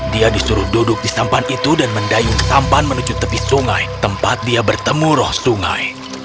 dia disuruh duduk di sampan itu dan mendayung sampan menuju tepi sungai tempat dia bertemu roh sungai